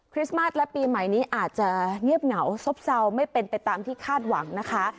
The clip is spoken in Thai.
มาสและปีใหม่นี้อาจจะเงียบเหงาซบเซาไม่เป็นไปตามที่คาดหวังนะคะ